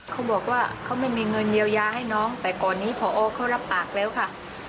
เขาบอกว่าเขาไม่มีเงินเยียวยาให้น้องแต่ก่อนนี้พอเขารับปากแล้วค่ะ